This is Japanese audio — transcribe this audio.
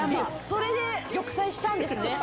それで玉砕したんですね。